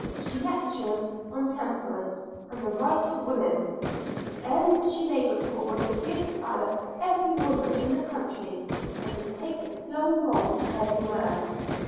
She lectured on temperance and the rights of women; the ends she laboured for were to give the ballot to every woman in the country and to take the flowing bowl from every man.